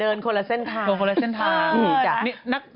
เดินคนละเส้นทางเดินคนละเส้นทาง